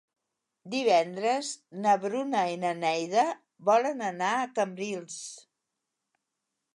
Divendres na Bruna i na Neida volen anar a Cambrils.